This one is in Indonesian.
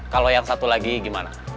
kalau yang satu lagi gimana